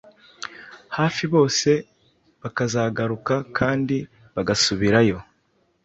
hafi bose bakazagaruka kandi bagasubirayo.